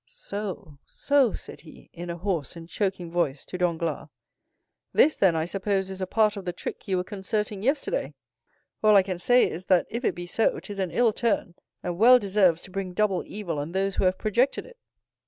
"So, so," said he, in a hoarse and choking voice, to Danglars, "this, then, I suppose, is a part of the trick you were concerting yesterday? All I can say is, that if it be so, 'tis an ill turn, and well deserves to bring double evil on those who have projected it."